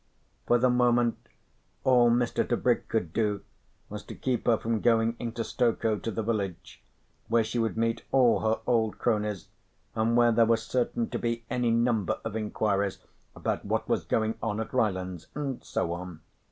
For the moment all Mr. Tebrick could do was to keep her from going into Stokoe to the village, where she would meet all her old cronies and where there were certain to be any number of inquiries about what was going on at Rylands and so on.